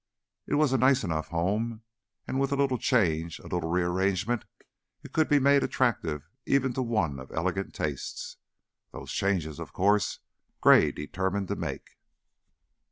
It was a nice enough home, and with a little change, a little rearrangement, it could be made attractive even to one of elegant tastes. Those changes, of course, Gray determined to make.